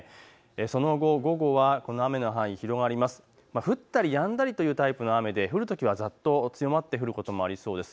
その後、午後は雨の範囲が広がって降ったりやんだりというタイプの雨で降るときはざっと強まって降ることもありそうです。